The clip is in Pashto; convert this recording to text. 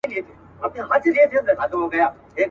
د زاړه کفن کښ زوی شنل قبرونه.